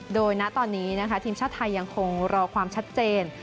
โดยณตอนนี้นะคะทีมชาติไทยยังคงรอความชัดเจน